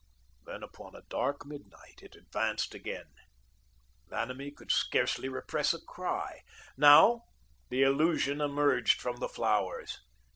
Then, upon a dark midnight, it advanced again. Vanamee could scarcely repress a cry. Now, the illusion emerged from the flowers.